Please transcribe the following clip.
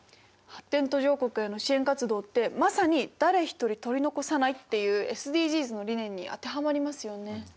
発展途上国への支援活動ってまさに誰一人取り残さないっていうＳＤＧｓの理念に当てはまりますよね。